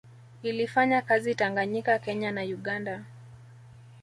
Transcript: Ilifanya kazi Tanganyika Kenya na Uganda